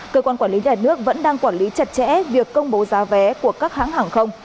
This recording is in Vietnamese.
cơ quan quản lý nhà nước vẫn đang quản lý chặt chẽ việc công bố giá vé của các hãng hàng không